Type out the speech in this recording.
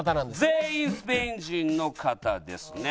全員スペイン人の方ですね。